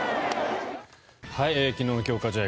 昨日の強化試合